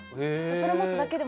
それを持つだけで。